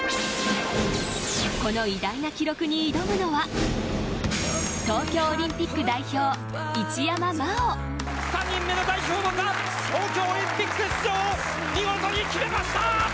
この偉大な記録に挑むのは東京オリンピック代表３人目の代表の座東京オリンピック出場を見事に決めました。